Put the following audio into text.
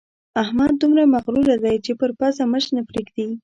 احمد دومره مغروره دی چې پر پزه مچ نه پرېږدي.